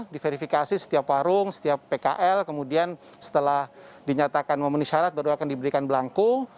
diverifikasi setiap warung setiap pkl kemudian setelah dinyatakan memenuhi syarat baru akan diberikan belangku